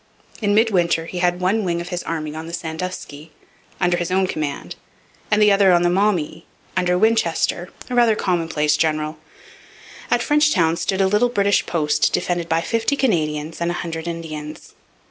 In midwinter he had one wing of his army on the Sandusky, under his own command, and the other on the Maumee, under Winchester, a rather commonplace general. At Frenchtown stood a little British post defended by fifty Canadians and a hundred Indians.